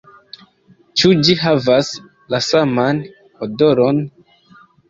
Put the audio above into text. Ĉu ĝi havas la saman odoron?